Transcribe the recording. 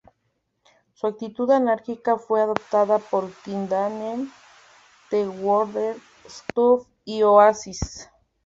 Su actitud anárquica fue adoptada por The Damned, the Wonder Stuff y Oasis.